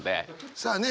さあね